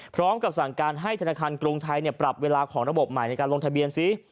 พร้อมกับสั่งการให้ธนาคารกรุงไทยปรับเวลาของระบบใหม่ในการลงทะเบียนซิ